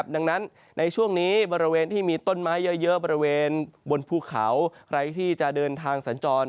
ดังนั้นในช่วงนี้บริเวณที่มีต้นไม้เยอะบริเวณบนภูเขาใครที่จะเดินทางสัญจร